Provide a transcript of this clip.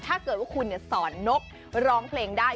ถ้าเกิดว่าคุณสอนนกร้องเพลงได้